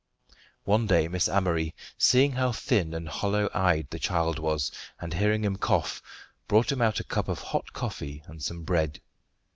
One day Miss Amory, seeing how thin and hollow eyed the child was, and hearing him cough, brought him out a cup of hot coffee and some bread.